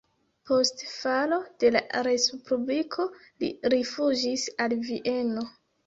Post falo de la respubliko li rifuĝis al Vieno.